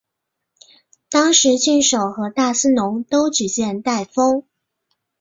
当时郡守和大司农都举荐戴封。